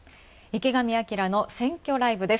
「池上彰の選挙ライブ」です。